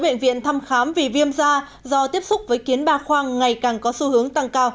bệnh viện thăm khám vì viêm da do tiếp xúc với kiến ba khoang ngày càng có xu hướng